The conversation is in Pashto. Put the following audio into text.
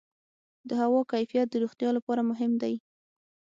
د هوا کیفیت د روغتیا لپاره مهم دی.